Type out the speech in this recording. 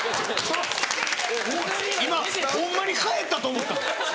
今ホンマに帰ったと思ったん？